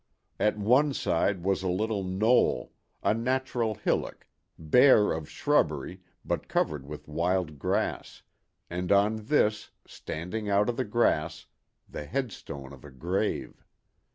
At one side was a little knoll—a natural hillock, bare of shrubbery but covered with wild grass, and on this, standing out of the grass, the headstone of a grave!